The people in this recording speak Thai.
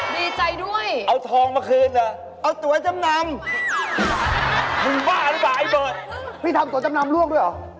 พี่ทำตัวจำนำร่วมด้วยหรอ